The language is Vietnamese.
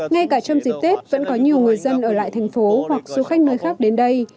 ngay cả trong dịp tết vẫn có nhiều người dân ở lại thành phố hoặc du khách nơi khác đến đây